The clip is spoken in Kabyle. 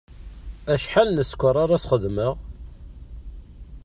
Acḥal n ssker ara as-xedmeɣ?